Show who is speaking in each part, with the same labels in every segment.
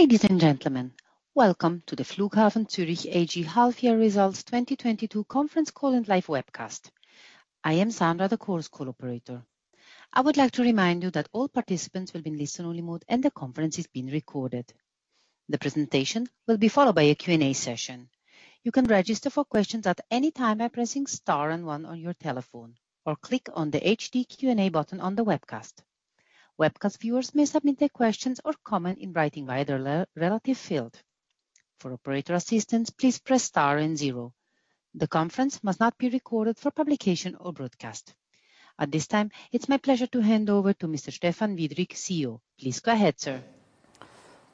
Speaker 1: Ladies and gentlemen, welcome to the Flughafen Zürich AG Half Year Results 2022 conference call and live webcast. I am Sandra, the Chorus Call operator. I would like to remind you that all participants will be in listen-only mode, and the conference is being recorded. The presentation will be followed by a Q&A session. You can register for questions at any time by pressing star and one on your telephone, or click on the hand raise Q&A button on the webcast. Webcast viewers may submit their questions or comment in writing via the Q&A field. For operator assistance, please press star and zero. The conference must not be recorded for publication or broadcast. At this time, it's my pleasure to hand over to Mr. Stephan Widrig, CEO. Please go ahead, sir.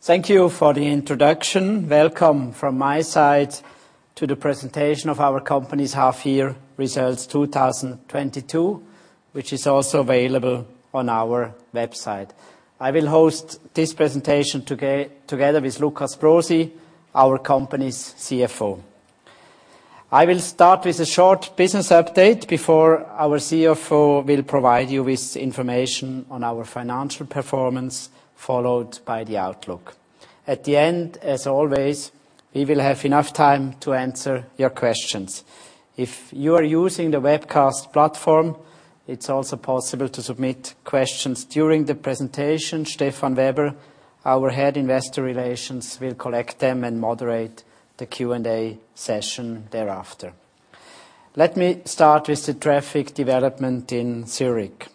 Speaker 2: Thank you for the introduction. Welcome from my side to the presentation of our company's half-year results 2022, which is also available on our website. I will host this presentation together with Lukas Brosi, our company's CFO. I will start with a short business update before our CFO will provide you with information on our financial performance, followed by the outlook. At the end, as always, we will have enough time to answer your questions. If you are using the webcast platform, it's also possible to submit questions during the presentation. Stefan Weber, our head investor relations, will collect them and moderate the Q&A session thereafter. Let me start with the traffic development in Zurich.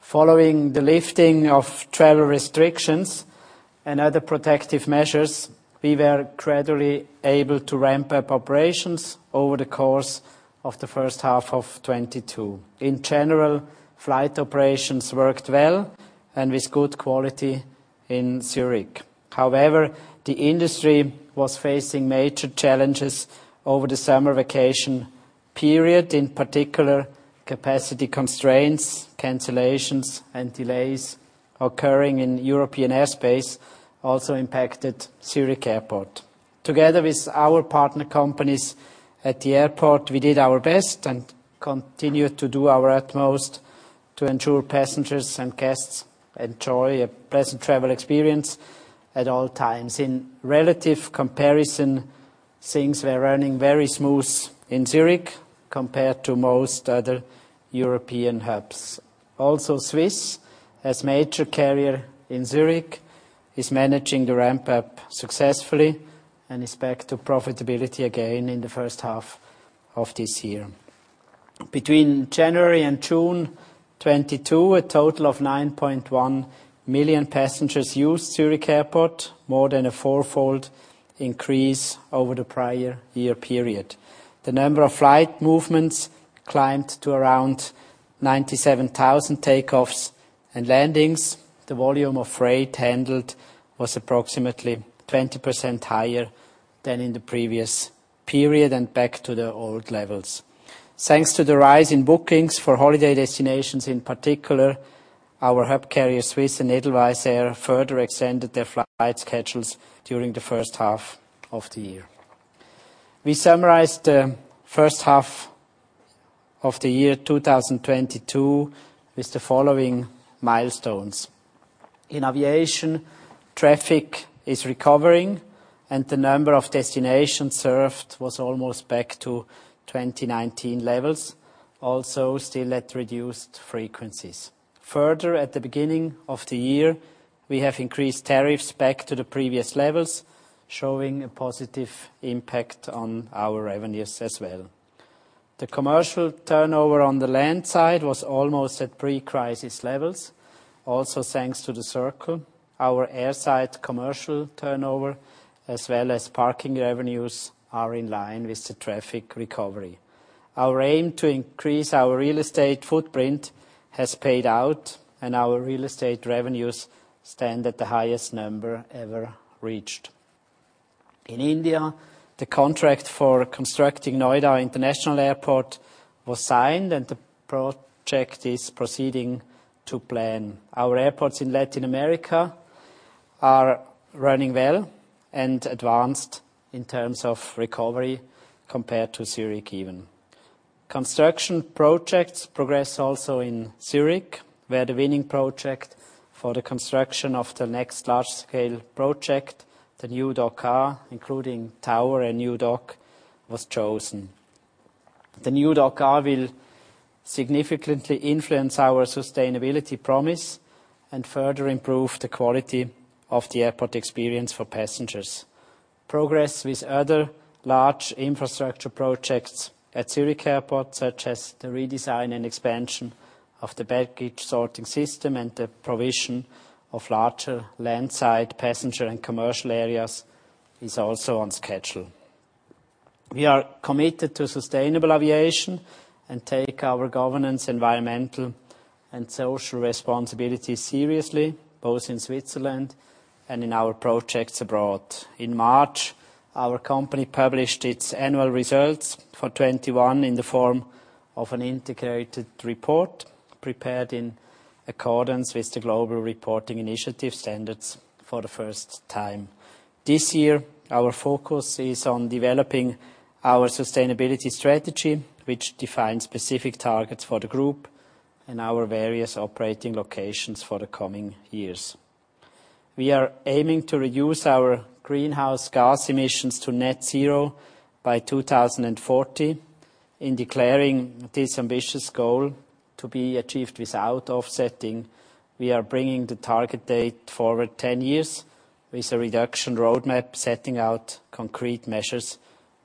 Speaker 2: Following the lifting of travel restrictions and other protective measures, we were gradually able to ramp up operations over the course of the first half of 2022. In general, flight operations worked well and with good quality in Zürich. However, the industry was facing major challenges over the summer vacation period. In particular, capacity constraints, cancellations, and delays occurring in European airspace also impacted Zürich Airport. Together with our partner companies at the airport, we did our best and continued to do our utmost to ensure passengers and guests enjoy a pleasant travel experience at all times. In relative comparison, things were running very smooth in Zürich compared to most other European hubs. Also, Swiss, as major carrier in Zürich, is managing the ramp up successfully and is back to profitability again in the first half of this year, between January and June 2022, a total of 9.1 million passengers used Zürich Airport, more than a four-fold increase over the prior year period. The number of flight movements climbed to around 97,000 takeoffs and landings. The volume of freight handled was approximately 20% higher than in the previous period and back to the old levels. Thanks to the rise in bookings for holiday destinations in particular, our hub carrier, Swiss and Edelweiss Air, further extended their flight schedules during the first half of the year. We summarized the first half of the year 2022 with the following milestones. In aviation, traffic is recovering, and the number of destinations served was almost back to 2019 levels, also still at reduced frequencies. Further, at the beginning of the year, we have increased tariffs back to the previous levels, showing a positive impact on our revenues as well. The commercial turnover on the land side was almost at pre-crisis levels. Also, thanks to the circle, our air side commercial turnover as well as parking revenues are in line with the traffic recovery. Our aim to increase our real estate footprint has paid out, and our real estate revenues stand at the highest number ever reached. In India, the contract for constructing Noida International Airport was signed, and the project is proceeding to plan. Our airports in Latin America are running well and advanced in terms of recovery compared to Zürich even. Construction projects progress also in Zürich, where the winning project for the construction of the next large scale project, the new Dock A, including tower and new dock, was chosen. The new Dock A will significantly influence our sustainability promise and further improve the quality of the airport experience for passengers. Progress with other large infrastructure projects at Zurich Airport, such as the redesign and expansion of the baggage sorting system and the provision of larger landside passenger and commercial areas, is also on schedule. We are committed to sustainable aviation and take our governance, environmental, and social responsibility seriously, both in Switzerland and in our projects abroad. In March, our company published its annual results for 2021 in the form of an integrated report prepared in accordance with the Global Reporting Initiative standards for the first time. This year, our focus is on developing our sustainability strategy, which defines specific targets for the group in our various operating locations for the coming years. We are aiming to reduce our greenhouse gas emissions to net zero by 2040. In declaring this ambitious goal to be achieved without offsetting, we are bringing the target date forward 10 years with a reduction roadmap, setting out concrete measures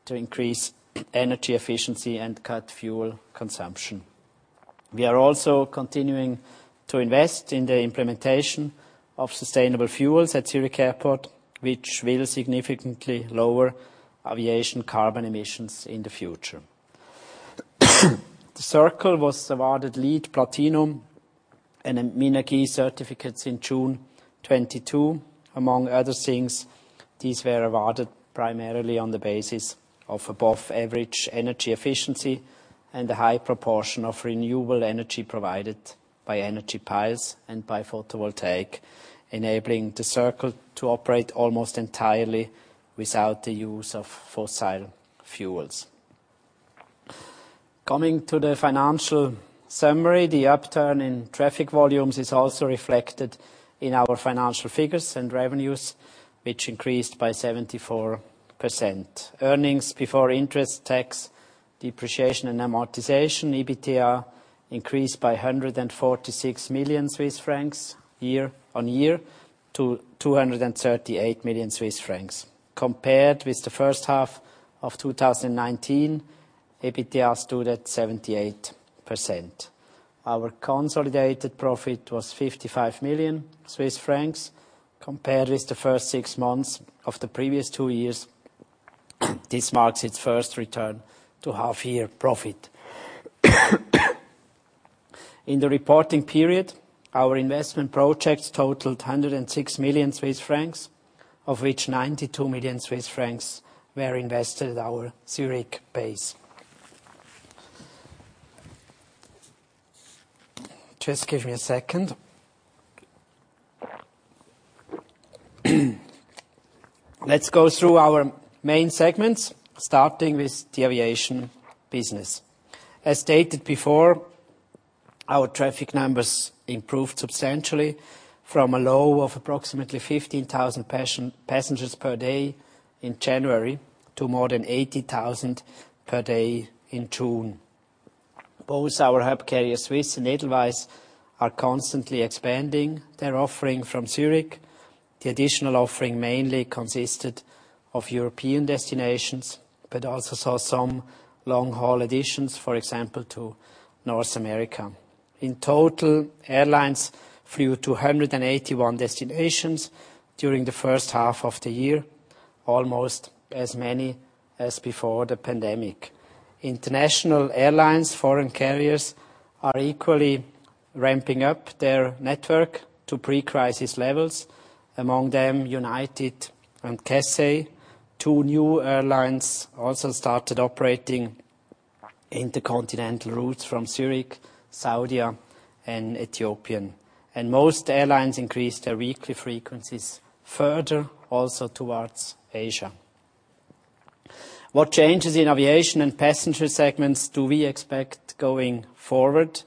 Speaker 2: to increase energy efficiency and cut fuel consumption. We are also continuing to invest in the implementation of sustainable fuels at Zurich Airport, which will significantly lower aviation carbon emissions in the future. The Circle was awarded LEED Platinum and Minergie certificates in June 2022. Among other things, these were awarded primarily on the basis of above average energy efficiency and a high proportion of renewable energy provided by energy piles and by photovoltaic, enabling the Circle to operate almost entirely without the use of fossil fuels. Coming to the financial summary, the upturn in traffic volumes is also reflected in our financial figures and revenues, which increased by 74%. Earnings before interest, tax, depreciation, and amortization, EBITDA, increased by 146 million Swiss francs year-on-year to 238 million Swiss francs. Compared with the first half of 2019, EBITDA stood at 78%. Our consolidated profit was 55 million Swiss francs compared with the first six months of the previous two years. This marks its first return to half-year profit. In the reporting period, our investment projects totaled 106 million Swiss francs, of which 92 million Swiss francs were invested at our Zurich base. Just give me a second. Let's go through our main segments, starting with the aviation business. As stated before, our traffic numbers improved substantially from a low of approximately 15,000 passengers per day in January to more than 80,000 per day in June. Both our hub carrier Swiss and Edelweiss are constantly expanding their offering from Zurich. The additional offering mainly consisted of European destinations, but also saw some long-haul additions, for example, to North America. In total, airlines flew to 181 destinations during the first half of the year, almost as many as before the pandemic. International airlines, foreign carriers, are equally ramping up their network to pre-crisis levels, among them, United and Cathay. 2 new airlines also started operating intercontinental routes from Zurich, Saudia and Ethiopian. Most airlines increased their weekly frequencies further also towards Asia. What changes in aviation and passenger segments do we expect going forward?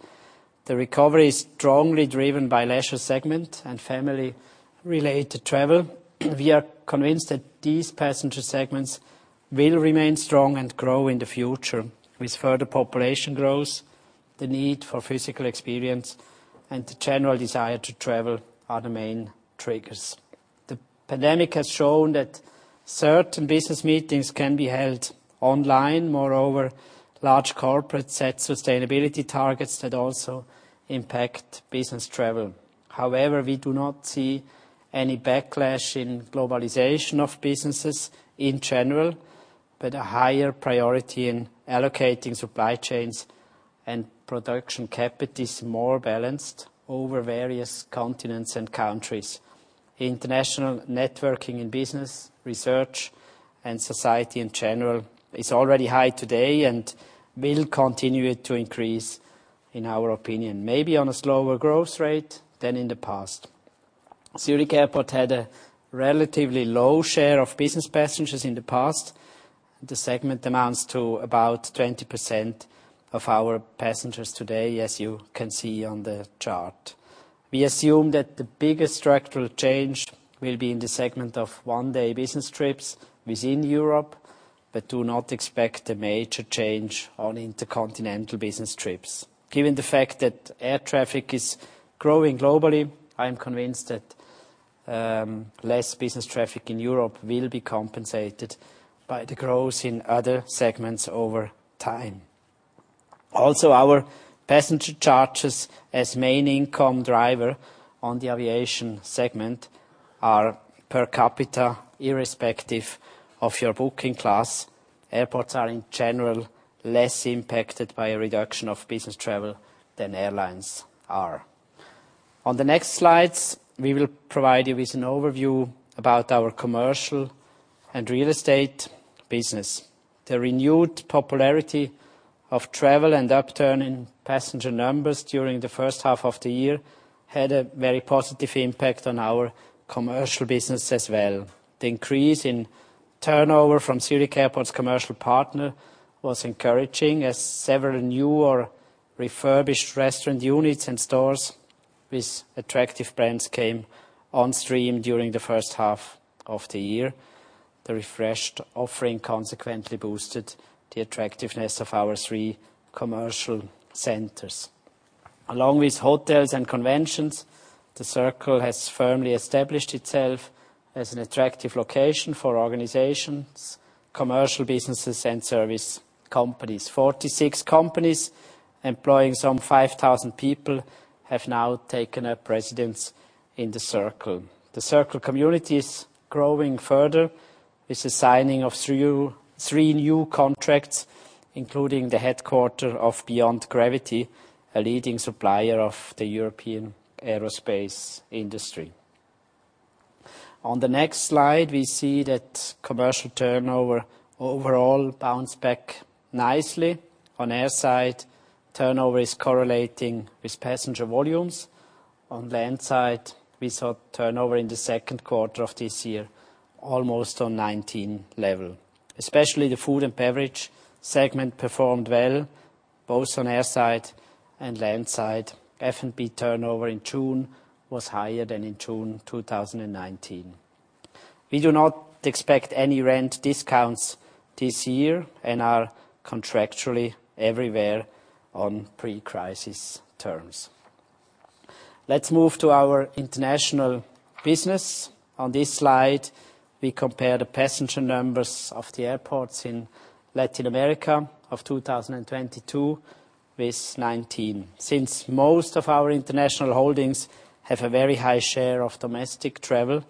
Speaker 2: The recovery is strongly driven by leisure segment and family related travel. We are convinced that these passenger segments will remain strong and grow in the future with further population growth, the need for physical experience, and the general desire to travel, are the main triggers. The pandemic has shown that certain business meetings can be held online. Moreover, large corporates set sustainability targets that also impact business travel. However, we do not see any backlash in globalization of businesses in general, but a higher priority in allocating supply chains and production capacities more balanced over various continents and countries. International networking in business, research and society in general is already high today and will continue to increase, in our opinion, maybe on a slower growth rate than in the past. Zürich Airport had a relatively low share of business passengers in the past. The segment amounts to about 20% of our passengers today, as you can see on the chart. We assume that the biggest structural change will be in the segment of one-day business trips within Europe, but do not expect a major change on intercontinental business trips. Given the fact that air traffic is growing globally, I am convinced that, less business traffic in Europe will be compensated by the growth in other segments over time. Also, our passenger charges as main income driver on the aviation segment are per capita, irrespective of your booking class. Airports are, in general, less impacted by a reduction of business travel than airlines are. On the next slides, we will provide you with an overview about our commercial and real estate business. The renewed popularity of travel and upturn in passenger numbers during the first half of the year had a very positive impact on our commercial business as well. The increase in turnover from Zurich Airport's commercial partner was encouraging as several new or refurbished restaurant units and stores with attractive brands came on stream during the first half of the year. The refreshed offering consequently boosted the attractiveness of our three commercial centers. Along with hotels and conventions, The Circle has firmly established itself as an attractive location for organizations, commercial businesses, and service companies. 46 companies employing some 5,000 people have now taken up residence in The Circle. The Circle community is growing further with the signing of three new contracts, including the headquarters of Beyond Gravity, a leading supplier of the European aerospace industry. On the next slide, we see that commercial turnover overall bounced back nicely. On airside, turnover is correlating with passenger volumes. On landside, we saw turnover in the Q2 of this year, almost on 2019 level. Especially the food and beverage segment performed well, both on airside and landside. F&B turnover in June was higher than in June 2019. We do not expect any rent discounts this year and are contractually everywhere on pre-crisis terms. Let's move to our international business. On this slide, we compare the passenger numbers of the airports in Latin America of 2022 with 2019. Since most of our international holdings have a very high share of domestic travel,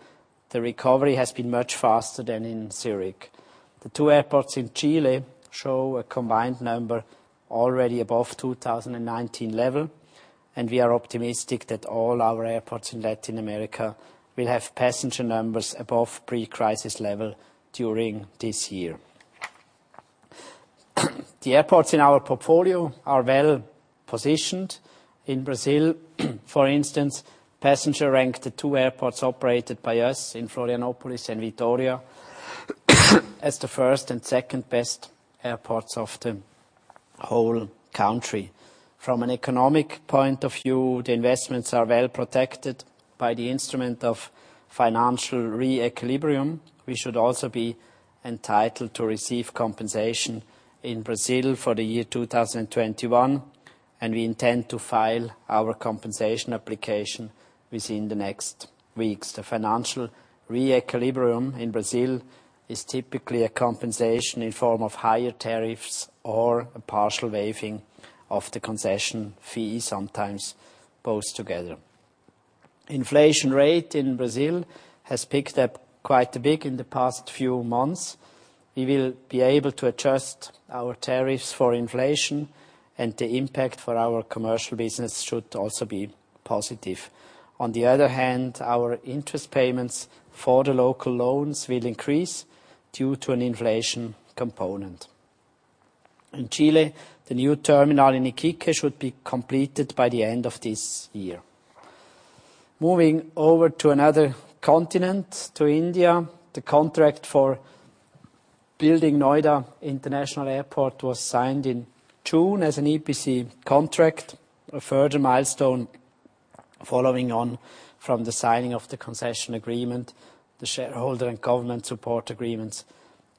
Speaker 2: the recovery has been much faster than in Zurich. The two airports in Chile show a combined number already above 2019 level, and we are optimistic that all our airports in Latin America will have passenger numbers above pre-crisis level during this year. The airports in our portfolio are well-positioned. In Brazil, for instance, passengers ranked the two airports operated by us in Florianópolis and Vitória as the first and second best airports of the whole country. From an economic point of view, the investments are well-protected by the instrument of financial re-equilibrium. We should also be entitled to receive compensation in Brazil for the year 2021, and we intend to file our compensation application within the next weeks. The financial re-equilibrium in Brazil is typically a compensation in form of higher tariffs or a partial waiving of the concession fee, sometimes both together. Inflation rate in Brazil has picked up quite a bit in the past few months. We will be able to adjust our tariffs for inflation and the impact for our commercial business should also be positive. On the other hand, our interest payments for the local loans will increase due to an inflation component. In Chile, the new terminal in Iquique should be completed by the end of this year. Moving over to another continent, to India, the contract for building Noida International Airport was signed in June as an EPC contract. A further milestone following on from the signing of the concession agreement, the shareholder and government support agreements,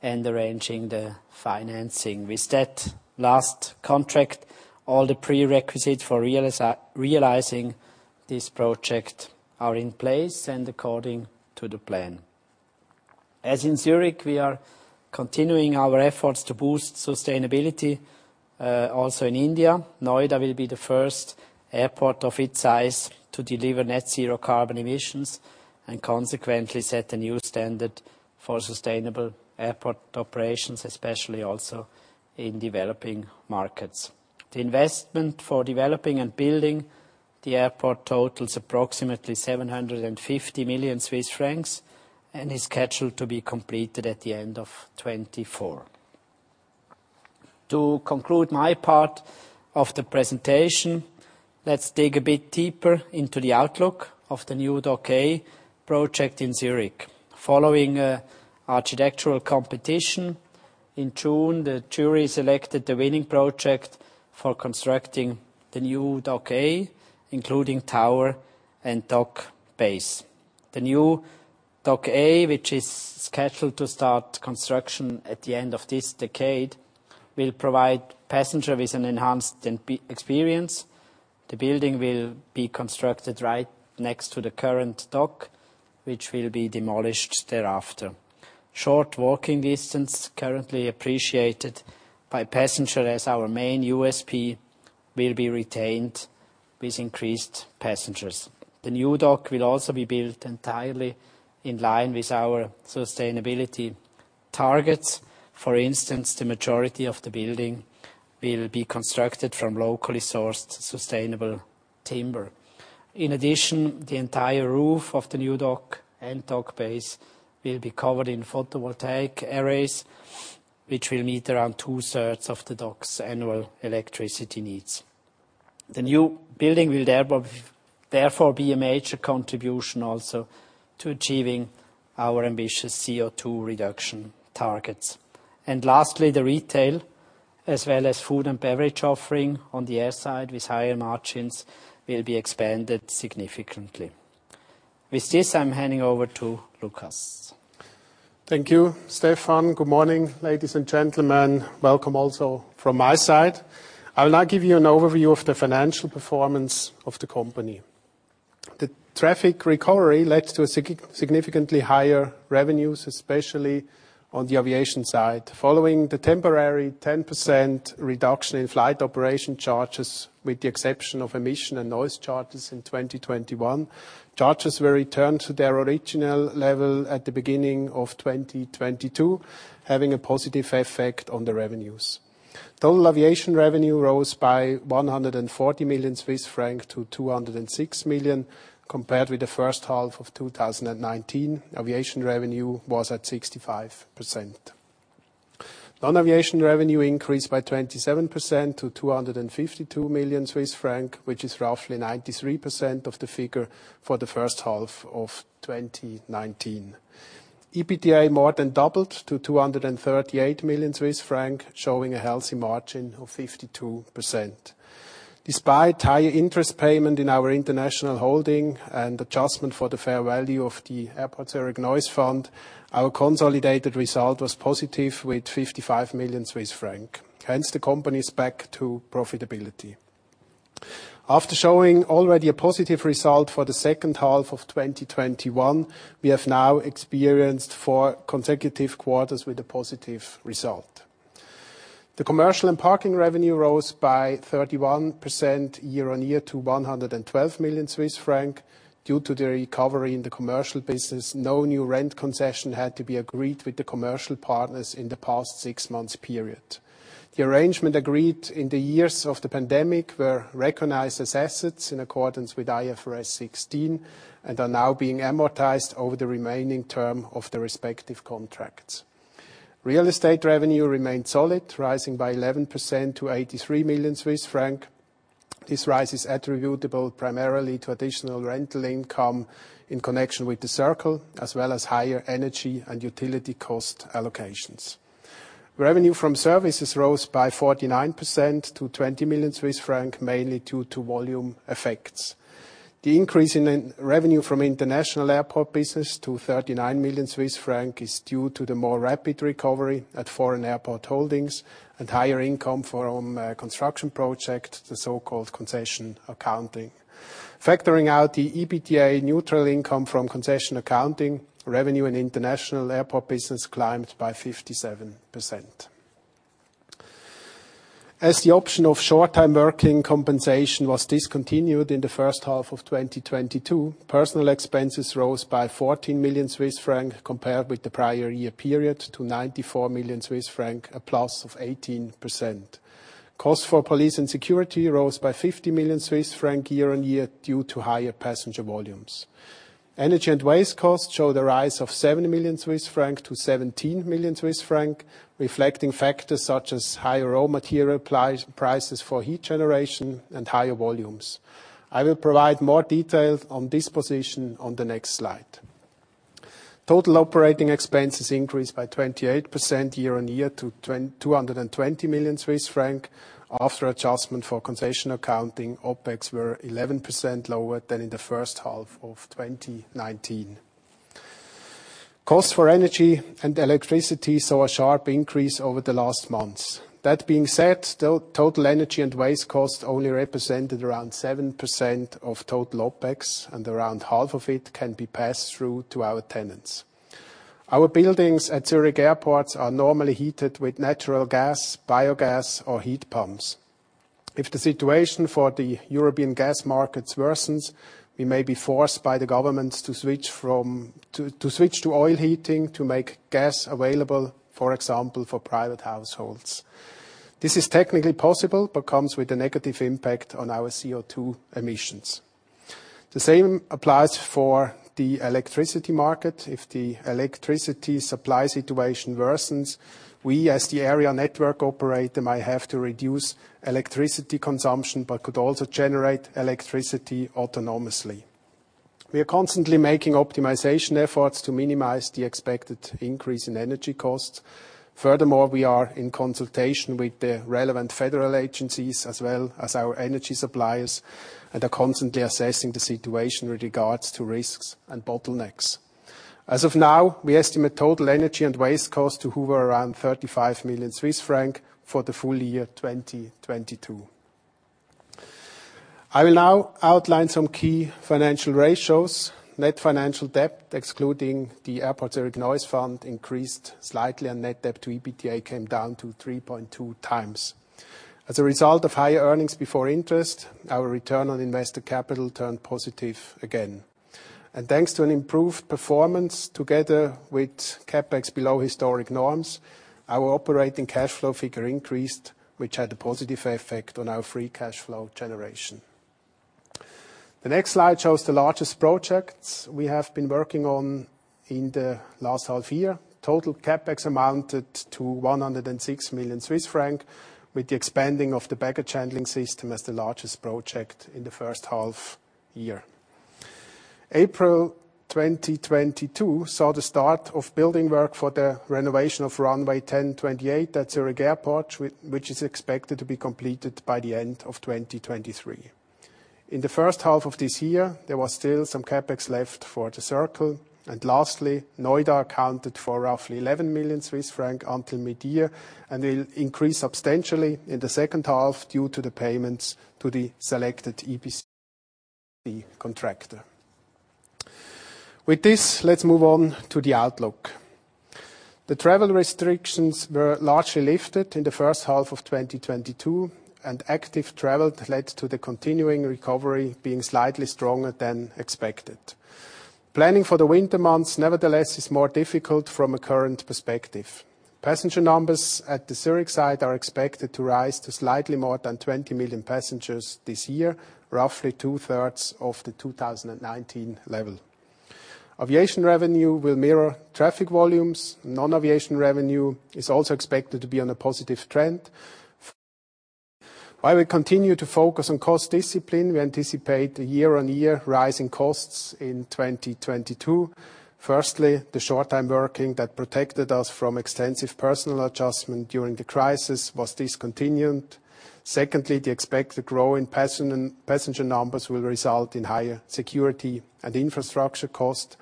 Speaker 2: and arranging the financing. With that last contract, all the prerequisites for realizing this project are in place and according to the plan. As in Zurich, we are continuing our efforts to boost sustainability, also in India. Noida will be the first airport of its size to deliver net zero carbon emissions and consequently set a new standard for sustainable airport operations, especially also in developing markets. The investment for developing and building the airport totals approximately 750 million Swiss francs and is scheduled to be completed at the end of 2024. To conclude my part of the presentation, let's dig a bit deeper into the outlook of the new Dock A project in Zurich. Following architectural competition in June, the jury selected the winning project for constructing the new Dock A, including tower and dock base. The new Dock A, which is scheduled to start construction at the end of this decade, will provide passenger with an enhanced experience. The building will be constructed right next to the current dock, which will be demolished thereafter. Short walking distance, currently appreciated by passenger as our main USP, will be retained with increased passengers. The new dock will also be built entirely in line with our sustainability targets. For instance, the majority of the building will be constructed from locally sourced sustainable timber. In addition, the entire roof of the new dock and dock base will be covered in photovoltaic arrays, which will meet around two-thirds of the dock's annual electricity needs. The new building will therefore be a major contribution also to achieving our ambitious CO2 reduction targets. Lastly, the retail as well as food and beverage offering on the air side with higher margins will be expanded significantly. With this, I'm handing over to Lukas.
Speaker 3: Thank you, Stefan. Good morning, ladies and gentlemen. Welcome also from my side. I will now give you an overview of the financial performance of the company. The traffic recovery led to a significantly higher revenues, especially on the aviation side. Following the temporary 10% reduction in flight operation charges, with the exception of emission and noise charges in 2021, charges were returned to their original level at the beginning of 2022, having a positive effect on the revenues. Total aviation revenue rose by 140 million Swiss francs to 206 million compared with the first half of 2019. Aviation revenue was at 65%. Non-aviation revenue increased by 27% to 252 million Swiss francs, which is roughly 93% of the figure for the first half of 2019. EBITDA more than doubled to 238 million Swiss francs, showing a healthy margin of 52%. Despite high interest payment in our international holding and adjustment for the fair value of the Zurich Airport Noise Fund, our consolidated result was positive with 55 million Swiss francs. Hence, the company is back to profitability. After showing already a positive result for the second half of 2021, we have now experienced four consecutive quarters with a positive result. The commercial and parking revenue rose by 31% year-on-year to 112 million Swiss francs. Due to the recovery in the commercial business, no new rent concession had to be agreed with the commercial partners in the past six months period. The arrangement agreed in the years of the pandemic were recognized as assets in accordance with IFRS 16, and are now being amortized over the remaining term of the respective contracts. Real estate revenue remained solid, rising by 11% to 83 million Swiss franc. This rise is attributable primarily to additional rental income in connection with the Circle, as well as higher energy and utility cost allocations. Revenue from services rose by 49% to 20 million Swiss francs, mainly due to volume effects. The increase in revenue from international airport business to 39 million Swiss francs is due to the more rapid recovery at foreign airport holdings and higher income from construction project, the so-called concession accounting. Factoring out the EBITDA neutral income from concession accounting, revenue in international airport business climbed by 57%. As the option of short-time working compensation was discontinued in the first half of 2022, personal expenses rose by 14 million Swiss franc compared with the prior year period to 94 million Swiss franc, a plus of 18%. Costs for police and security rose by 50 million Swiss francs year-on-year due to higher passenger volumes. Energy and waste costs show the rise of 7 million Swiss francs to 17 million Swiss francs, reflecting factors such as higher raw material prices for heat generation and higher volumes. I will provide more detail on this position on the next slide. Total operating expenses increased by 28% year-on-year to 220 million Swiss franc. After adjustment for concession accounting, OpEx were 11% lower than in the first half of 2019. Costs for energy and electricity saw a sharp increase over the last months. That being said, total energy and waste costs only represented around 7% of total OpEx, and around half of it can be passed through to our tenants. Our buildings at Zurich Airport are normally heated with natural gas, biogas or heat pumps. If the situation for the European gas markets worsens, we may be forced by the governments to switch to oil heating to make gas available, for example, for private households. This is technically possible, but comes with a negative impact on our CO2 emissions. The same applies for the electricity market. If the electricity supply situation worsens, we as the area network operator might have to reduce electricity consumption, but could also generate electricity autonomously. We are constantly making optimization efforts to minimize the expected increase in energy costs. Furthermore, we are in consultation with the relevant federal agencies as well as our energy suppliers, and are constantly assessing the situation with regards to risks and bottlenecks. As of now, we estimate total energy and waste costs to hover around 35 million Swiss francs for the full year 2022. I will now outline some key financial ratios. Net financial debt, excluding the Zurich Airport Noise Fund, increased slightly and net debt to EBITDA came down to 3.2x. As a result of higher earnings before interest, our return on investor capital turned positive again. Thanks to an improved performance together with CapEx below historic norms, our operating cash flow figure increased, which had a positive effect on our free cash flow generation. The next slide shows the largest projects we have been working on in the last half year. Total CapEx amounted to 106 million Swiss francs, with the expanding of the baggage handling system as the largest project in the first half year. April 2022 saw the start of building work for the renovation of runway 10/28 at Zurich Airport, which is expected to be completed by the end of 2023. In the first half of this year, there was still some CapEx left for The Circle. Lastly, Noida accounted for roughly 11 million Swiss francs until mid-year, and it'll increase substantially in the second half due to the payments to the selected EPC contractor. With this, let's move on to the outlook. The travel restrictions were largely lifted in the first half of 2022, and active travel led to the continuing recovery being slightly stronger than expected. Planning for the winter months, nevertheless, is more difficult from a current perspective. Passenger numbers at the Zurich site are expected to rise to slightly more than 20 million passengers this year, roughly two-thirds of the 2019 level. Aviation revenue will mirror traffic volumes. Non-aviation revenue is also expected to be on a positive trend. While we continue to focus on cost discipline, we anticipate a year-on-year rise in costs in 2022. Firstly, the short time working that protected us from extensive personnel adjustment during the crisis was discontinued. Secondly, the expected growth in passenger numbers will result in higher security and infrastructure costs,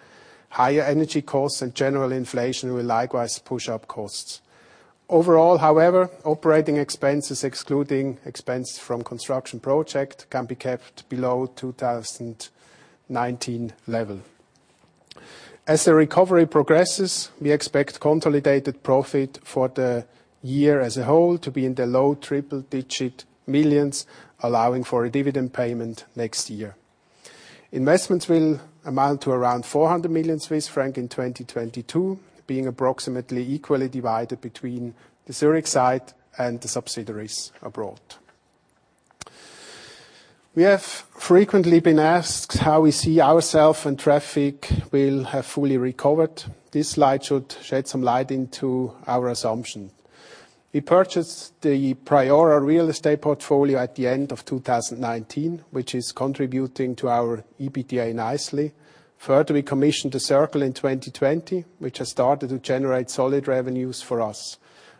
Speaker 3: higher energy costs and general inflation will likewise push up costs. Overall, however, operating expenses excluding expenses from construction project can be kept below 2019 level. As the recovery progresses, we expect consolidated profit for the year as a whole to be in the low triple-digit millions, allowing for a dividend payment next year. Investments will amount to around 400 million Swiss francs in 2022, being approximately equally divided between the Zurich site and the subsidiaries abroad. We have frequently been asked how we see ourselves when traffic will have fully recovered. This slide should shed some light into our assumption. We purchased the Priora real estate portfolio at the end of 2019, which is contributing to our EBITDA nicely. Further, we commissioned the Circle in 2020, which has started to generate solid revenues for us.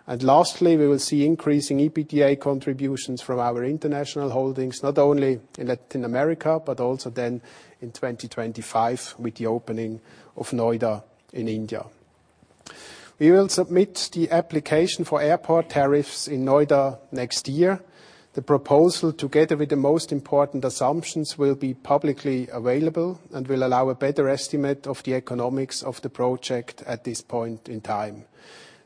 Speaker 3: Lastly, we will see increasing EBITDA contributions from our international holdings, not only in Latin America, but also then in 2025 with the opening of Noida in India. We will submit the application for airport tariffs in Noida next year. The proposal, together with the most important assumptions, will be publicly available and will allow a better estimate of the economics of the project at this point in time.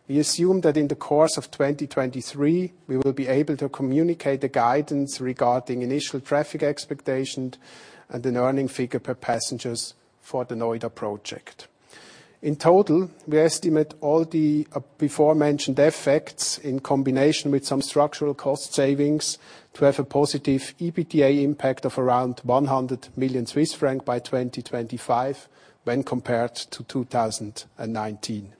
Speaker 3: We assume that in the course of 2023, we will be able to communicate the guidance regarding initial traffic expectations and an earnings figure per passenger for the Noida project. In total, we estimate all the before mentioned effects in combination with some structural cost savings to have a positive EBITDA impact of around 100 million Swiss francs by 2025, when compared to 2019.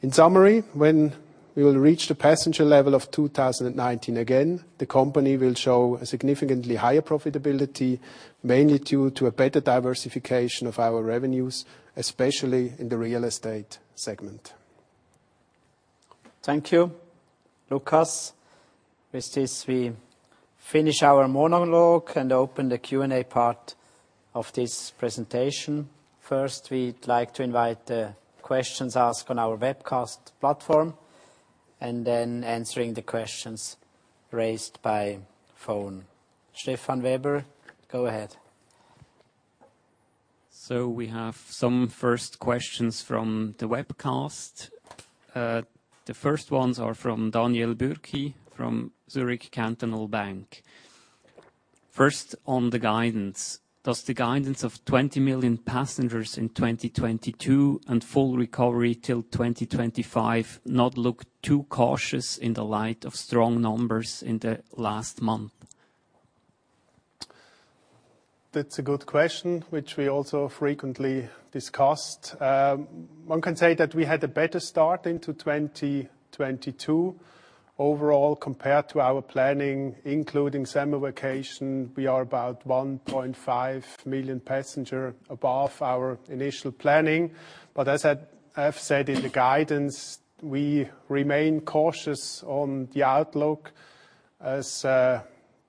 Speaker 3: In summary, when we will reach the passenger level of 2019 again, the company will show a significantly higher profitability, mainly due to a better diversification of our revenues, especially in the real estate segment.
Speaker 2: Thank you, Lukas. With this, we finish our monologue and open the Q&A part of this presentation. First, we'd like to invite the questions asked on our webcast platform, and then answering the questions raised by phone. Stefan Weber, go ahead.
Speaker 4: We have some first questions from the webcast. The first ones are from Daniel Bürki, from Zürcher Kantonalbank. First, on the guidance. Does the guidance of 20 million passengers in 2022 and full recovery till 2025 not look too cautious in the light of strong numbers in the last month?
Speaker 3: That's a good question, which we also frequently discussed. One can say that we had a better start into 2022 overall compared to our planning, including summer vacation. We are about 1.5 million passengers above our initial planning. As I've said in the guidance, we remain cautious on the outlook, as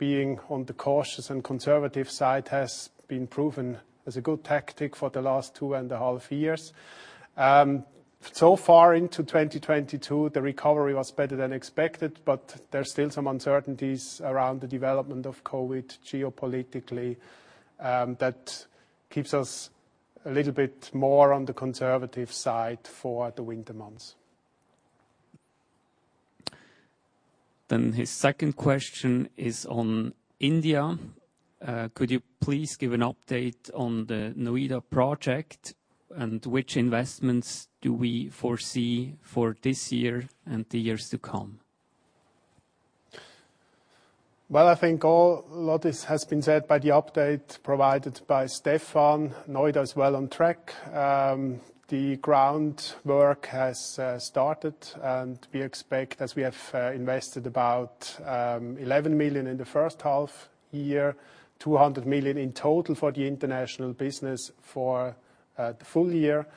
Speaker 3: being on the cautious and conservative side has been proven as a good tactic for the last 2.5 years. So far into 2022, the recovery was better than expected, but there's still some uncertainties around the development of COVID geopolitically, that keeps us a little bit more on the conservative side for the winter months.
Speaker 4: His second question is on India. Could you please give an update on the Noida project and which investments do we foresee for this year and the years to come?
Speaker 3: Well, I think a lot has been said by the update provided by Stefan. Noida is well on track. The groundwork has started, and we expect, as we have invested about 11 million in the first half year, 200 million in total for the international business for the full year,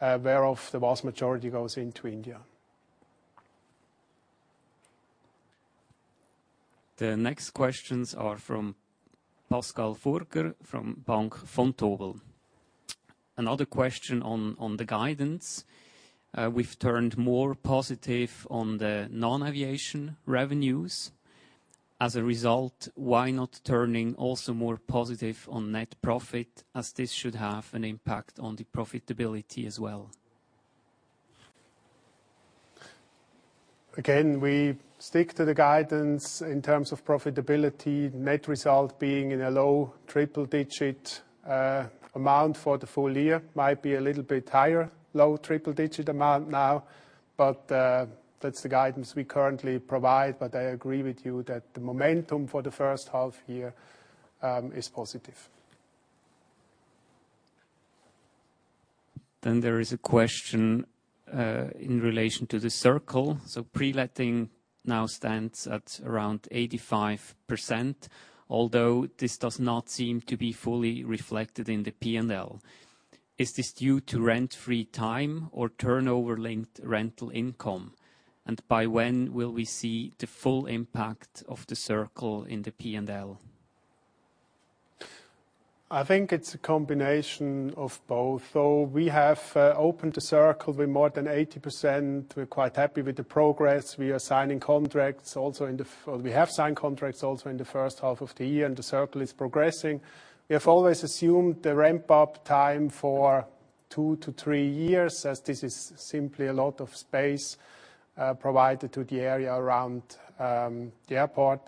Speaker 3: whereof the vast majority goes into India.
Speaker 4: The next questions are from Pascal Furger from Bank Vontobel AG. Another question on the guidance. We've turned more positive on the non-aviation revenues. As a result, why not turning also more positive on net profit, as this should have an impact on the profitability as well?
Speaker 3: Again, we stick to the guidance in terms of profitability, net result being in a low triple-digit CHF amount for the full year. Might be a little bit higher, low triple-digit CHF amount now, but that's the guidance we currently provide. I agree with you that the momentum for the first half year is positive.
Speaker 4: There is a question in relation to the Circle. Pre-letting now stands at around 85%, although this does not seem to be fully reflected in the P&L. Is this due to rent-free time or turnover-linked rental income? By when will we see the full impact of the Circle in the P&L?
Speaker 3: I think it's a combination of both, though we have opened the Circle with more than 80%. We're quite happy with the progress. We have signed contracts also in the first half of the year, and the Circle is progressing. We have always assumed the ramp-up time for 2-3 years, as this is simply a lot of space provided to the area around the airport.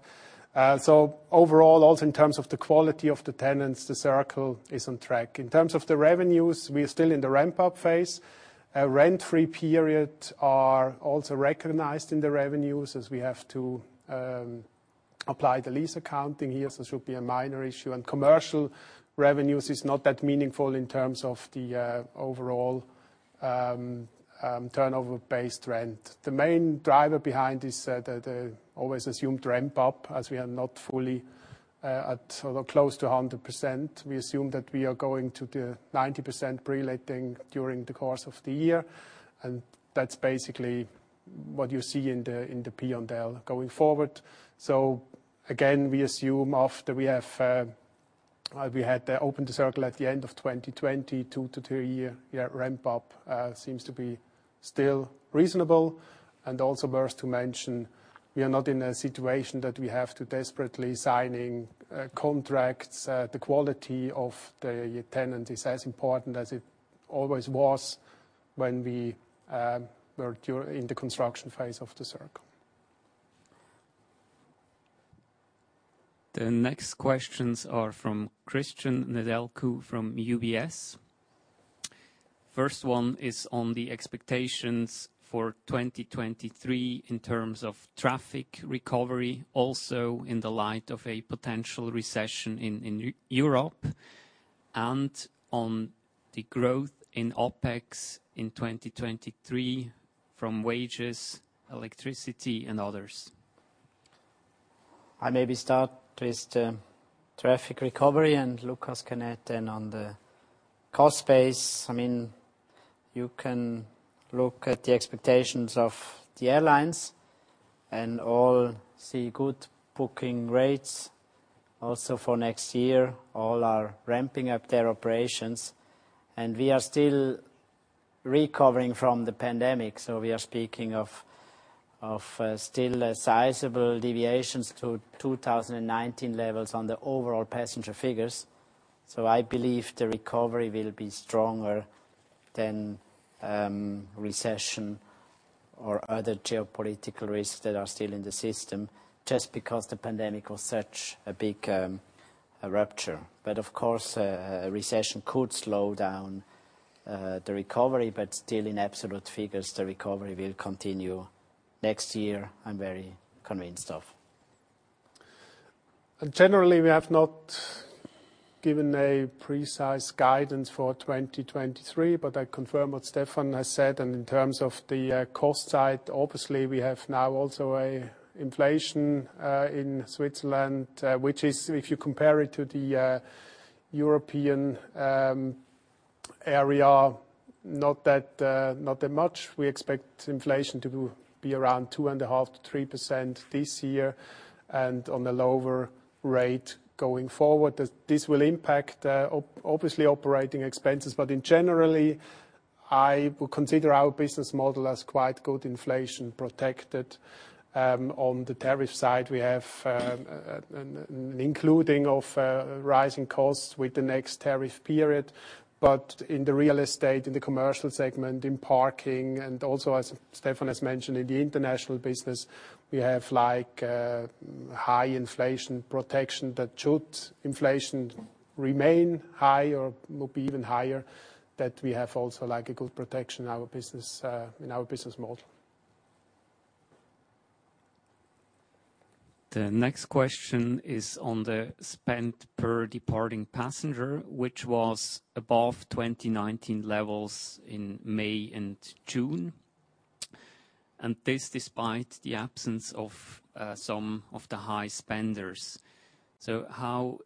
Speaker 3: So overall, also in terms of the quality of the tenants, the Circle is on track. In terms of the revenues, we are still in the ramp-up phase. Rent-free periods are also recognized in the revenues, as we have to apply the lease accounting here, so it should be a minor issue. Commercial revenues is not that meaningful in terms of the overall turnover-based rent. The main driver behind this, the always assumed ramp-up, as we are not fully at close to 100%. We assume that we are going to the 90% pre-letting during the course of the year, and that's basically what you see in the P&L going forward. Again, we assume after we have, we had opened the Circle at the end of 2020, 2-3-year ramp-up seems to be still reasonable. Also worth to mention, we are not in a situation that we have to desperately signing contracts. The quality of the tenant is as important as it always was when we were during the construction phase of the Circle.
Speaker 4: The next questions are from Cristian Nedelcu from UBS. First one is on the expectations for 2023 in terms of traffic recovery, also in the light of a potential recession in Europe, and on the growth in OpEx in 2023 from wages, electricity, and others.
Speaker 2: I maybe start with the traffic recovery, and Lukas can add in on the cost base. I mean, you can look at the expectations of the airlines and all see good booking rates also for next year. All are ramping up their operations, and we are still recovering from the pandemic, so we are speaking of still a sizable deviations to 2019 levels on the overall passenger figures. I believe the recovery will be stronger than recession or other geopolitical risks that are still in the system just because the pandemic was such a big rupture. Of course, a recession could slow down the recovery, but still in absolute figures, the recovery will continue next year, I'm very convinced of.
Speaker 3: Generally, we have not given a precise guidance for 2023, but I confirm what Stefan has said. In terms of the cost side, obviously we have now also an inflation in Switzerland, which is, if you compare it to the European area, not that much. We expect inflation to be around 2.5%-3% this year and on a lower rate going forward. This will impact obviously operating expenses. But generally, I would consider our business model as quite good inflation protected. On the tariff side, we have an inclusion of rising costs with the next tariff period. In the real estate, in the commercial segment, in parking, and also as Stefan has mentioned, in the international business, we have like high inflation protection that should inflation remain high or will be even higher, that we have also like a good protection our business, in our business model.
Speaker 4: The next question is on the spend per departing passenger, which was above 2019 levels in May and June, and this despite the absence of some of the high spenders. How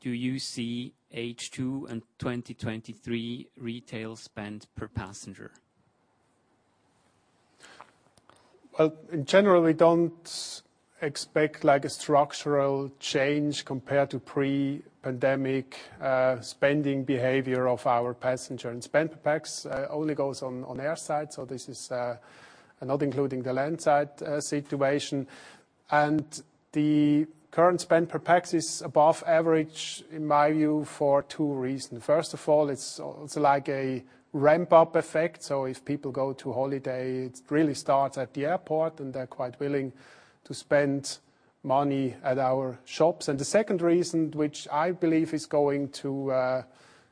Speaker 4: do you see H2 in 2023 retail spend per passenger?
Speaker 3: In general, we don't expect, like, a structural change compared to pre-pandemic spending behavior of our passenger. Spend per pax only goes on air side, so this is not including the land side situation. The current spend per pax is above average, in my view, for two reasons. First of all, it's like a ramp-up effect. So if people go to holiday, it really starts at the airport, and they're quite willing to spend money at our shops. The second reason, which I believe is going to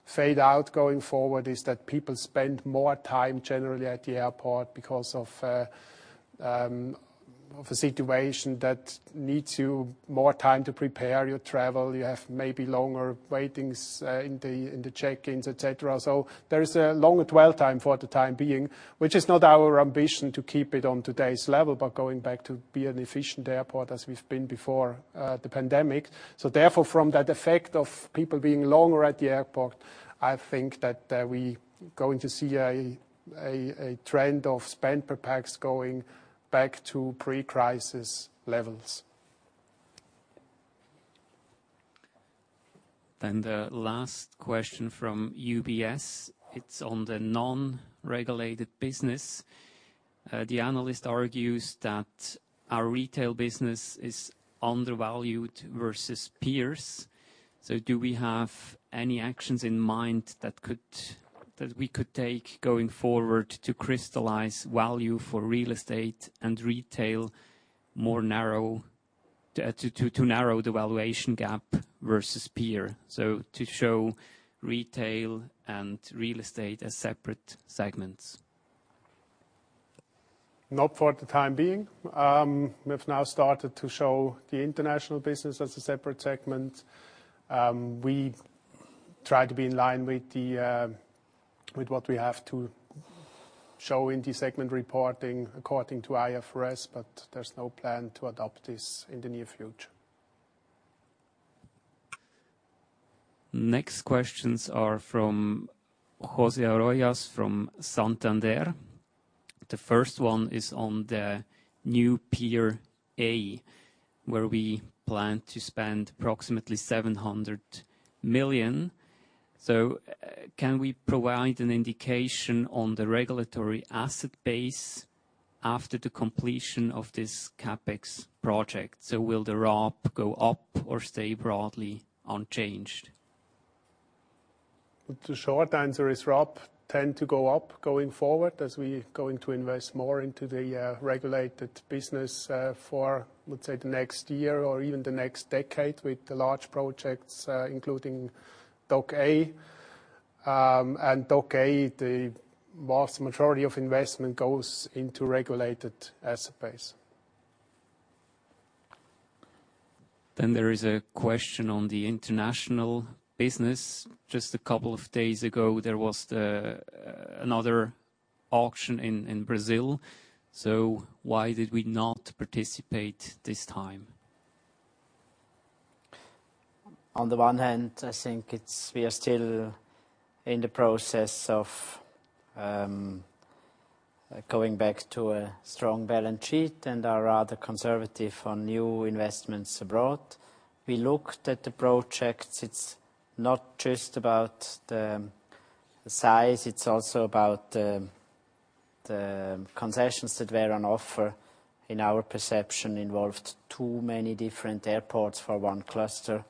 Speaker 3: fade out going forward, is that people spend more time generally at the airport because of a situation that needs more time to prepare your travel. You have maybe longer waits in the check-ins, et cetera. There is a longer dwell time for the time being, which is not our ambition to keep it on today's level, but going back to be an efficient airport as we've been before the pandemic. Therefore, from that effect of people being longer at the airport, I think that we going to see a trend of spend per pax going back to pre-crisis levels.
Speaker 4: The last question from UBS, it's on the non-regulated business. The analyst argues that our retail business is undervalued versus peers. Do we have any actions in mind that we could take going forward to crystallize value for real estate and retail, more narrowly, to narrow the valuation gap versus peers? To show retail and real estate as separate segments.
Speaker 3: Not for the time being. We've now started to show the international business as a separate segment. We try to be in line with what we have to show in the segment reporting according to IFRS, but there's no plan to adopt this in the near future.
Speaker 4: Next questions are from José Arroyas from Santander. The first one is on the new Pier A, where we plan to spend approximately 700 million. Can we provide an indication on the regulated asset base after the completion of this CapEx project? Will the RAB go up or stay broadly unchanged?
Speaker 3: The short answer is RAB tend to go up going forward as we going to invest more into the regulated business for, let's say, the next year or even the next decade with the large projects including Dock A. Dock A, the vast majority of investment goes into regulated asset base.
Speaker 4: There is a question on the international business. Just a couple of days ago, there was the other auction in Brazil, so why did we not participate this time?
Speaker 2: On the one hand, I think it's we are still in the process of going back to a strong balance sheet and are rather conservative on new investments abroad. We looked at the projects. It's not just about the size, it's also about the concessions that were on offer, in our perception, involved too many different airports for one cluster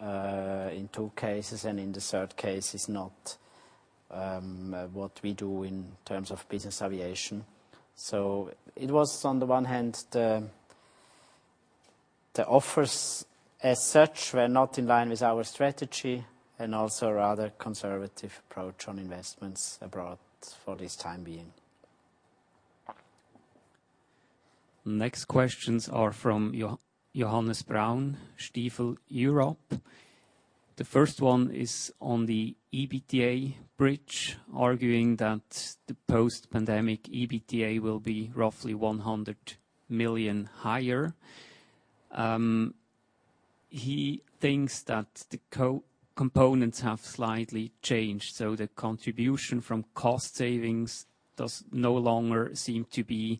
Speaker 2: in two cases, and in the third case, it's not what we do in terms of business aviation. It was, on the one hand, the offers as such were not in line with our strategy and also a rather conservative approach on investments abroad for this time being.
Speaker 4: Next questions are from Johannes Braun, Stifel Europe. The first one is on the EBITDA bridge, arguing that the post-pandemic EBITDA will be roughly 100 million higher. He thinks that the components have slightly changed, so the contribution from cost savings does no longer seem to be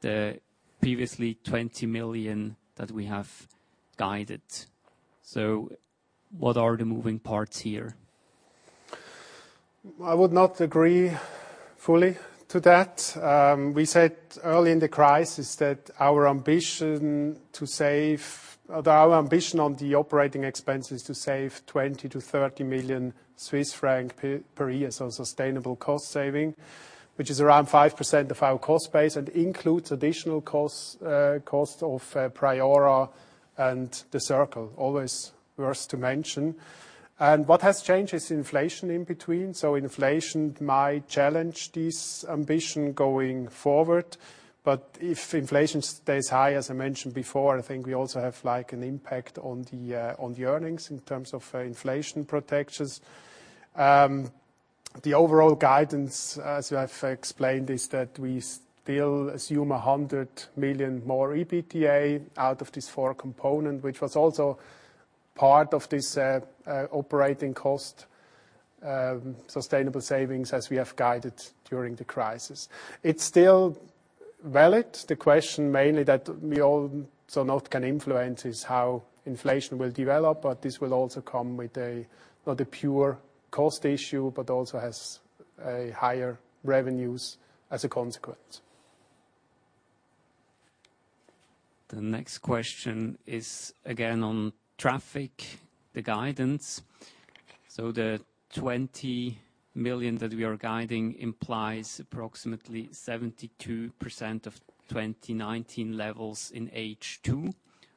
Speaker 4: the previously 20 million that we have guided. What are the moving parts here?
Speaker 3: I would not agree fully to that. We said early in the crisis that our ambition on the operating expense is to save 20-30 million Swiss francs per year, so sustainable cost saving, which is around 5% of our cost base and includes additional costs, cost of Priora and the Circle, always worth to mention. What has changed is inflation in between, inflation might challenge this ambition going forward. If inflation stays high, as I mentioned before, I think we also have, like, an impact on the earnings in terms of inflation protections. The overall guidance, as I have explained, is that we still assume 100 million more EBITDA out of this four component, which was also part of this operating cost sustainable savings as we have guided during the crisis. It's still valid. The question mainly that we also cannot influence is how inflation will develop, but this will also come with a not a pure cost issue, but also has higher revenues as a consequence.
Speaker 4: The next question is again on traffic, the guidance. The 20 million that we are guiding implies approximately 72% of 2019 levels in H2,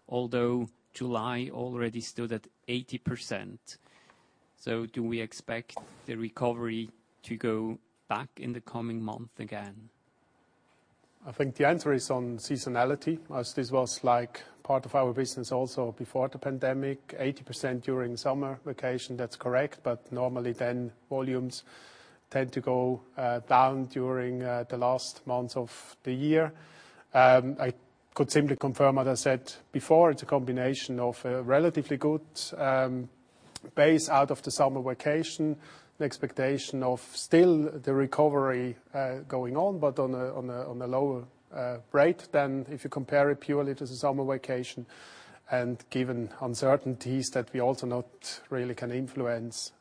Speaker 4: although July already stood at 80%. Do we expect the recovery to go back in the coming month again?
Speaker 3: I think the answer is on seasonality, as this was like part of our business also before the pandemic, 80% during summer vacation, that's correct. Normally then volumes tend to go down during the last months of the year. I could simply confirm, as I said before, it's a combination of a relatively good base out of the summer vacation, the expectation of still the recovery going on, but on a lower rate than if you compare it purely to the summer vacation and given uncertainties that we also not really can influence,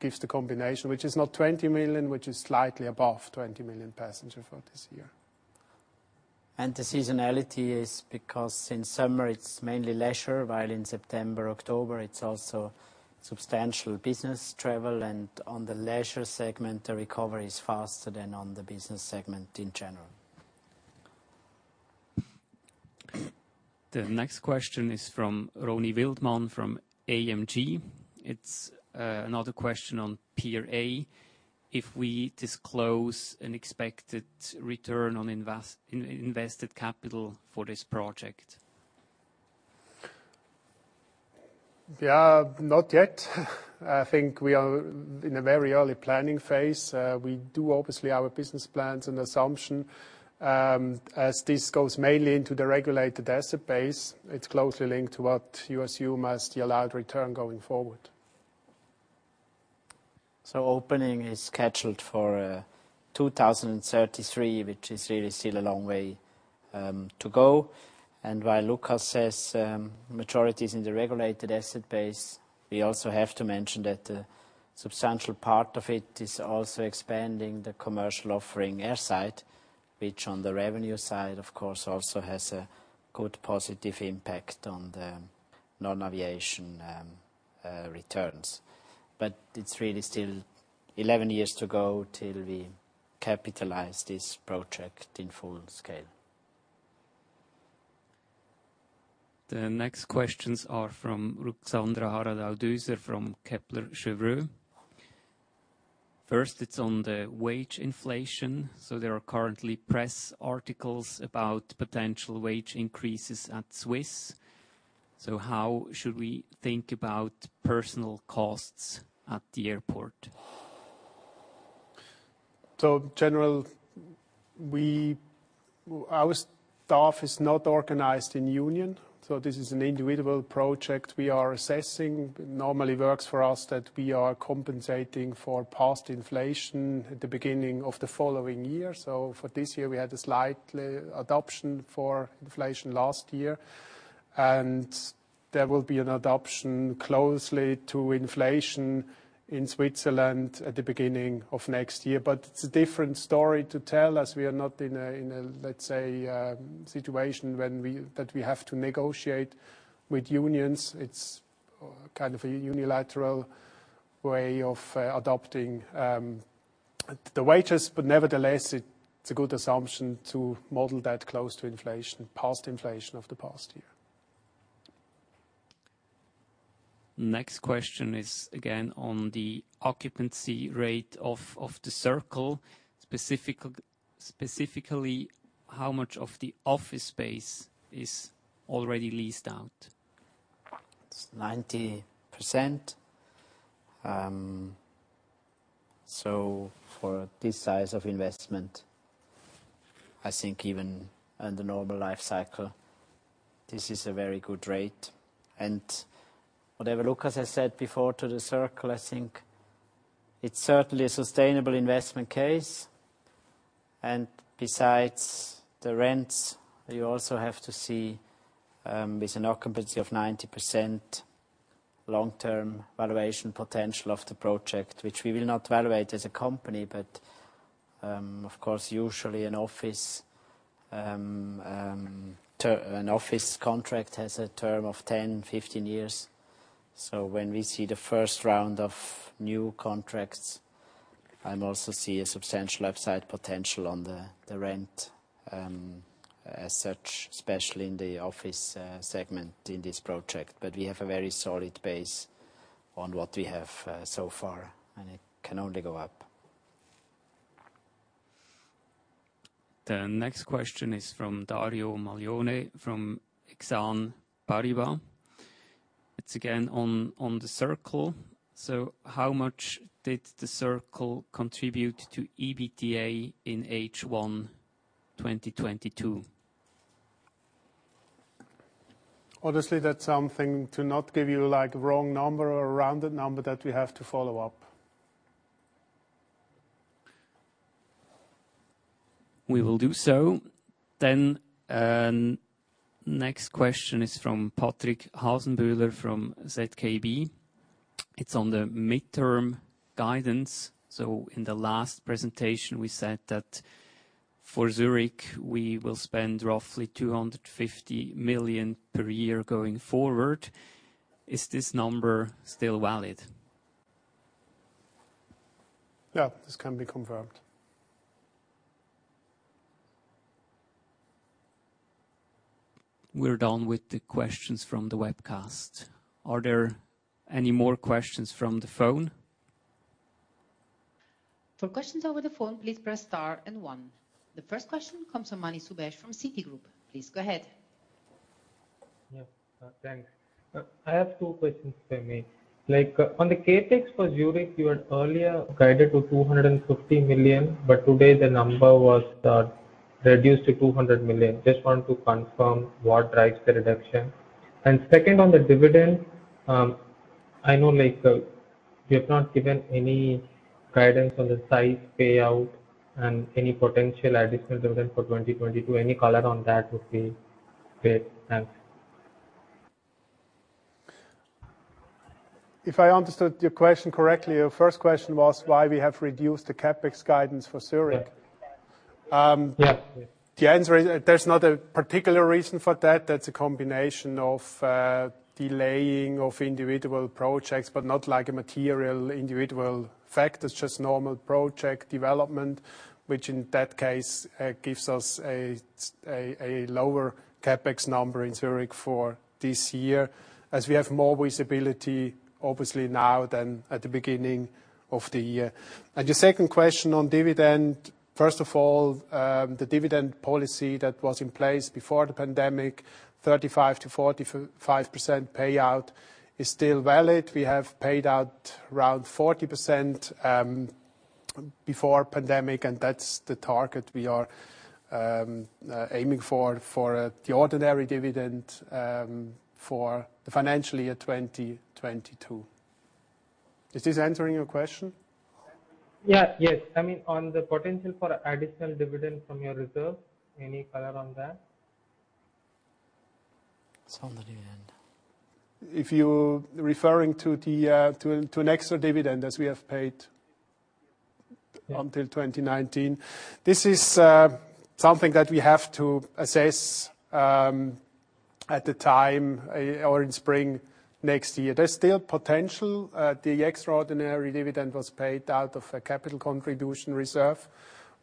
Speaker 3: gives the combination, which is not 20 million, which is slightly above 20 million passengers for this year.
Speaker 2: The seasonality is because in summer it's mainly leisure, while in September, October, it's also substantial business travel, and on the leisure segment, the recovery is faster than on the business segment in general.
Speaker 4: The next question is from Roni Wildmann from AMG. It's another question on Pier A. If we disclose an expected return on invested capital for this project.
Speaker 3: Yeah. Not yet. I think we are in a very early planning phase. We do obviously our business plans and assumption. As this goes mainly into the regulated asset base, it's closely linked to what you assume as the allowed return going forward.
Speaker 2: Opening is scheduled for 2033, which is really still a long way to go. While Lukas says majority is in the regulated asset base, we also have to mention that a substantial part of it is also expanding the commercial offering airside, which on the revenue side, of course, also has a good positive impact on the non-aviation returns. It's really still 11 years to go till we capitalize this project in full scale.
Speaker 4: The next questions are from Ruxandra Haradau-Doser from Kepler Cheuvreux. First, it's on the wage inflation. There are currently press articles about potential wage increases at Swiss. How should we think about personnel costs at the airport?
Speaker 3: In general, our staff is not organized in union, so this is an individual project we are assessing. Normally works for us that we are compensating for past inflation at the beginning of the following year. For this year, we had a slight adjustment for inflation last year, and there will be an adjustment closely to inflation in Switzerland at the beginning of next year. It's a different story to tell as we are not in a, let's say, situation that we have to negotiate with unions. It's a unilateral way of adopting the wages. Nevertheless, it's a good assumption to model that close to inflation, past inflation of the past year.
Speaker 4: Next question is again on the occupancy rate of The Circle. Specifically, how much of the office space is already leased out?
Speaker 2: It's 90%. For this size of investment, I think even on the normal life cycle, this is a very good rate. Whatever Lukas has said before to the circle, I think it's certainly a sustainable investment case. Besides the rents, you also have to see, with an occupancy of 90% long-term valuation potential of the project, which we will not valuate as a company, but, of course, usually an office contract has a term of 10, 15 years. When we see the first round of new contracts, I also see a substantial upside potential on the rent as such, especially in the office segment in this project. We have a very solid base on what we have, so far, and it can only go up. The next question is from Dario Maglione from Exane BNP Paribas. It's again on the Circle. How much did the Circle contribute to EBITDA in H1 2022?
Speaker 3: Honestly, that's something to not give you like wrong number or a rounded number that we have to follow up.
Speaker 2: We will do so. Next question is from Patrick Hasenböhler from ZKB. It's on the midterm guidance. In the last presentation, we said that for Zurich, we will spend roughly 250 million per year going forward. Is this number still valid?
Speaker 3: Yeah, this can be confirmed.
Speaker 2: We're done with the questions from the webcast. Are there any more questions from the phone?
Speaker 1: For questions over the phone, please press star and one. The first question comes from Achal Sultania from Citigroup. Please go ahead.
Speaker 5: Yeah. Thanks. I have two questions for me. Like, on the CapEx for Zurich, you had earlier guided to 250 million, but today the number was reduced to 200 million. Just want to confirm what drives the reduction. Second, on the dividend, I know like you have not given any guidance on the size payout and any potential additional dividend for 2022. Any color on that would be great. Thanks.
Speaker 3: If I understood your question correctly, your first question was why we have reduced the CapEx guidance for Zurich.
Speaker 5: Yeah.
Speaker 3: Um.
Speaker 5: Yeah.
Speaker 3: The answer is, there's not a particular reason for that. That's a combination of delaying of individual projects, but not like a material individual factor. It's just normal project development, which in that case gives us a lower CapEx number in Zurich for this year, as we have more visibility obviously now than at the beginning of the year. Your second question on dividend, first of all, the dividend policy that was in place before the pandemic, 35%-45% payout is still valid. We have paid out around 40%, before pandemic, and that's the target we are aiming for the ordinary dividend, for the financial year 2022. Is this answering your question?
Speaker 5: Yeah. Yes. I mean, on the potential for additional dividend from your reserve, any color on that?
Speaker 2: It's on the dividend.
Speaker 3: If you're referring to an extra dividend as we have paid until 2019, this is something that we have to assess at the time or in spring next year. There's still potential. The extraordinary dividend was paid out of a capital contribution reserve,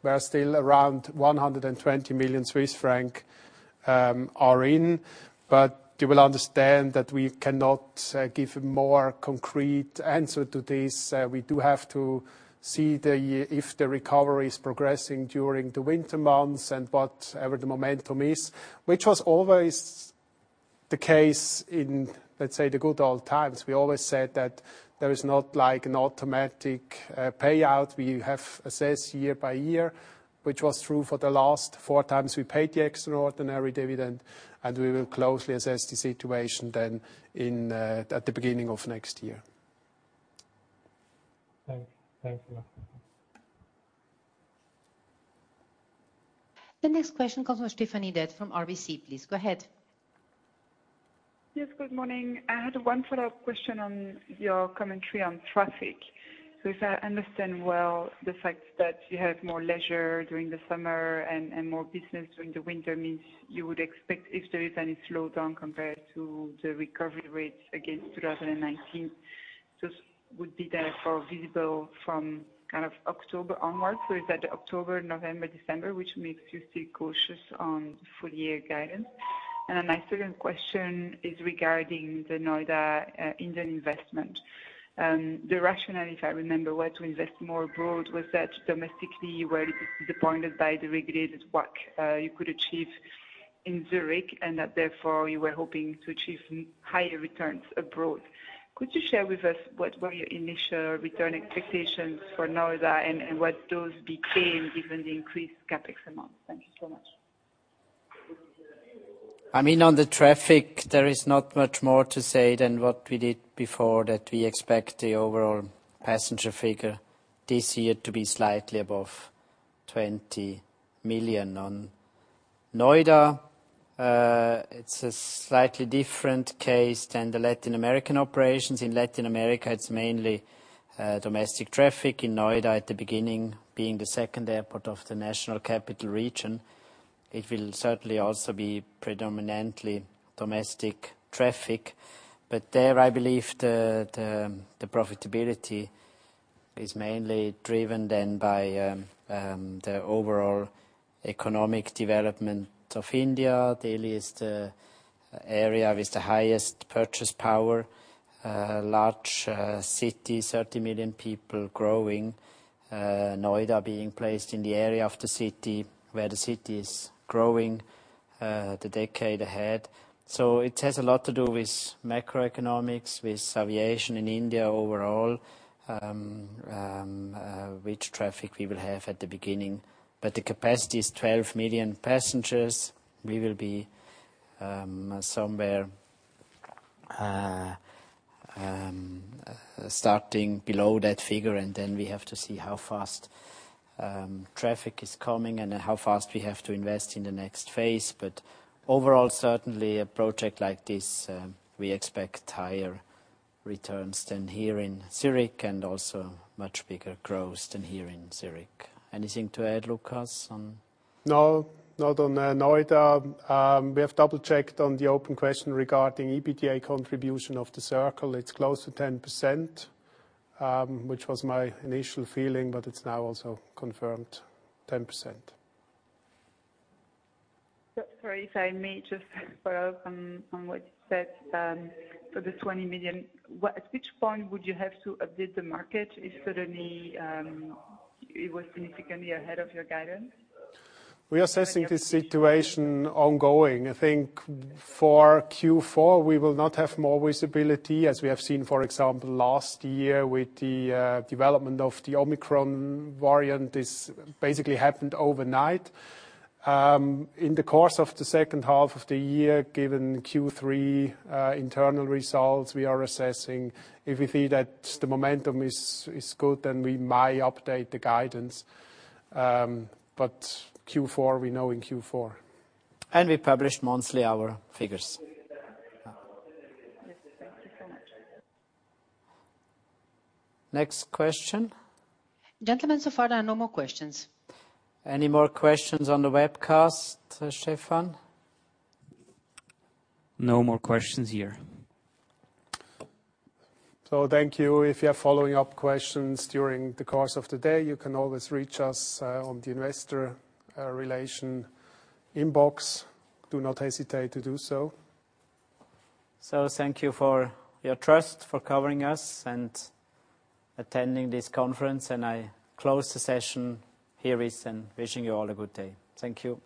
Speaker 3: where still around 120 million Swiss francs are in, but you will understand that we cannot give a more concrete answer to this. We do have to see if the recovery is progressing during the winter months and whatever the momentum is, which was always the case in, let's say, the good old times. We always said that there is not like an automatic payout. We have assessed year by year, which was true for the last 4 times we paid the extraordinary dividend, and we will closely assess the situation then at the beginning of next year.
Speaker 5: Thanks a lot.
Speaker 1: The next question comes from Stéphanie D'Ath from RBC. Please go ahead.
Speaker 6: Yes, good morning. I had one follow-up question on your commentary on traffic. If I understand well, the fact that you have more leisure during the summer and more business during the winter means you would expect if there is any slowdown compared to the recovery rates against 2019, just would be therefore visible from October onwards. Is that October, November, December, which makes you still cautious on full year guidance? Then my second question is regarding the Noida Indian investment. The rationale, if I remember, was to invest more abroad, was that domestically you were disappointed by the regulated work you could achieve in Zurich, and that therefore you were hoping to achieve higher returns abroad. Could you share with us what were your initial return expectations for Noida and what those became given the increased CapEx amounts? Thank you so much.
Speaker 2: I mean, on the traffic, there is not much more to say than what we did before, that we expect the overall passenger figure this year to be slightly above 20 million. On Noida, it's a slightly different case than the Latin American operations. In Latin America, it's mainly domestic traffic. In Noida at the beginning, being the second airport of the national capital region, it will certainly also be predominantly domestic traffic. There, I believe the profitability is mainly driven then by the overall economic development of India. Delhi is the area with the highest purchasing power. Large city, 30 million people growing. Noida being placed in the area of the city where the city is growing in the decade ahead. It has a lot to do with macroeconomics, with aviation in India overall, which traffic we will have at the beginning. The capacity is 12 million passengers. We will be somewhere starting below that figure, and then we have to see how fast traffic is coming and how fast we have to invest in the next phase. Overall, certainly a project like this, we expect higher returns than here in Zürich and also much bigger growth than here in Zürich. Anything to add, Lukas, on-
Speaker 3: No, not on Noida. We have double-checked on the open question regarding EBITDA contribution of The Circle. It's close to 10%, which was my initial feeling, but it's now also confirmed 10%.
Speaker 6: Sorry, if I may just follow up on what you said for the 20 million. At which point would you have to update the market if suddenly it was significantly ahead of your guidance?
Speaker 3: We are assessing the situation ongoing. I think for Q4, we will not have more visibility, as we have seen, for example, last year with the development of the Omicron variant. This basically happened overnight. In the course of the second half of the year, given Q3 internal results, we are assessing. If we see that the momentum is good, then we might update the guidance. Q4, we know in Q4.
Speaker 2: We publish monthly our figures.
Speaker 6: Yes, thank you so much.
Speaker 2: Next question.
Speaker 1: Gentlemen, so far there are no more questions.
Speaker 2: Any more questions on the webcast, Stefan?
Speaker 4: No more questions here.
Speaker 3: Thank you. If you have follow-up questions during the course of the day, you can always reach us on the Investor Relations inbox. Do not hesitate to do so.
Speaker 2: Thank you for your trust, for covering us and attending this conference. I close the session here with wishing you all a good day. Thank you.